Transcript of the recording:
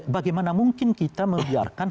bagaimana mungkin kita membiarkan